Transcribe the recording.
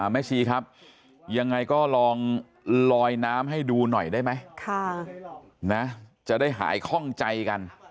ชีครับยังไงก็ลองลอยน้ำให้ดูหน่อยได้ไหมจะได้หายคล่องใจกัน